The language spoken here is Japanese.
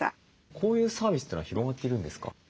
こういうサービスというのは広がっているんですか？